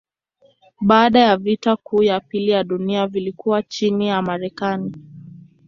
Baada ya vita kuu ya pili ya dunia vilikuwa chini ya Marekani.